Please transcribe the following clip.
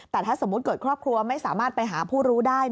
แต่ถ้าสมมุติเกิดครอบครัวไม่สามารถไปหาผู้รู้ได้